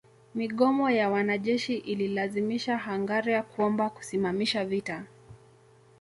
Migomo ya wanajeshi ililazimisha Hungaria kuomba kusimamisha vita